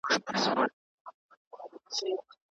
خلګ له چارو څخه ګټه اخلي.